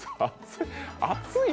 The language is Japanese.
熱い？